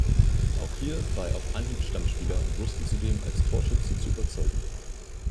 Auch hier war er auf Anhieb Stammspieler und wusste zudem als Torschütze zu überzeugen.